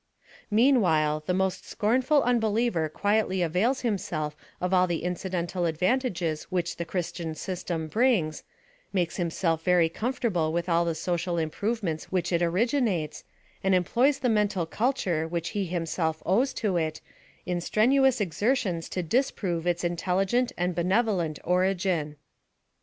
Meanwhile, the most scornful unbeliever quietly avails himself of all the incidental advantages which the Chris tian system brmgs, makes himself very comfortable with all the social improvements which it originates, and em ploys the mental culture which he himself owes to it, m strenuous exertions to disprove its intelligent and benev olent origin.